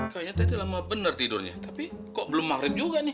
kayaknya tadi lama benar tidurnya tapi kok belum maghrib juga nih